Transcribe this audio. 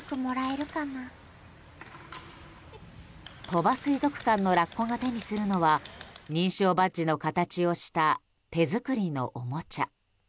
鳥羽水族館のラッコが手にするのは認証バッジの形をした手作りのおもちゃ。